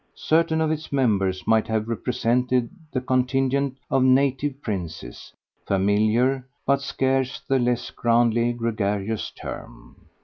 Certain of its members might have represented the contingent of "native princes" familiar, but scarce the less grandly gregarious term!